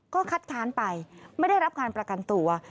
ก็คัดค้านไปไม่ได้รับการประกันตัว